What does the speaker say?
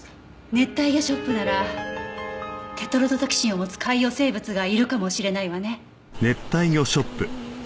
熱帯魚ショップならテトロドトキシンを持つ海洋生物がいるかもしれないわね。